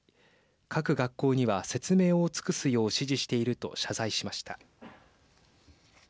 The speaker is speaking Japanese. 各学校には説明を尽くすよう指示していると謝罪しました。